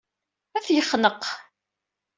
Ad t-yexneq.